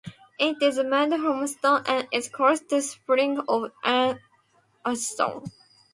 It is made from stone and is close to the spring of Ain Asserdoun.